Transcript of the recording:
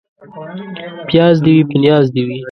پياز دي وي ، په نياز دي وي.